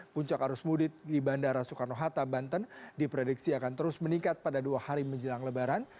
puncak arus mudik di bandara soekarno hatta banten diprediksi akan terus meningkat pada dua hari menjelang lebaran